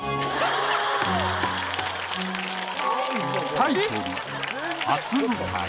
タイトル